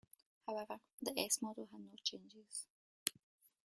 However, the S model had no changes.